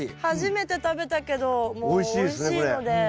初めて食べたけどもうおいしいので。